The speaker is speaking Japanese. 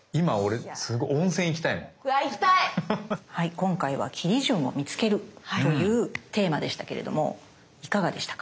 今回は切り順を見つけるというテーマでしたけれどもいかがでしたか？